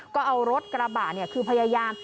ก็เอารถกระบะคือพยายาม